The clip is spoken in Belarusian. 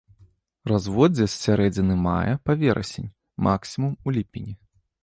Разводдзе з сярэдзіны мая па верасень, максімум у ліпені.